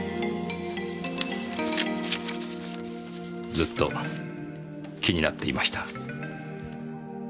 ずっと気になっていました。